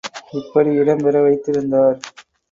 இப்படி இடம் பெற வைத்திருந்தார்!